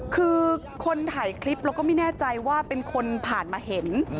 คือคนถ่ายคลิปเราก็ไม่แน่ใจว่าเป็นคนผ่านมาเห็น